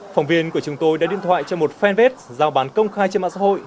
phòng viên của chúng tôi đã điện thoại cho một fanpage giao bán công khai trên mạng xã hội